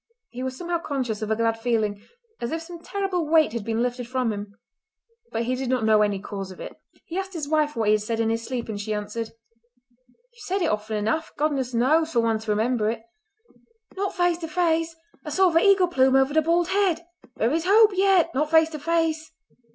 He was somehow conscious of a glad feeling, as if some terrible weight had been lifted from him, but he did not know any cause of it. He asked his wife what he had said in his sleep, and she answered: "You said it often enough, goodness knows, for one to remember it—'Not face to face! I saw the eagle plume over the bald head! There is hope yet! Not face to face!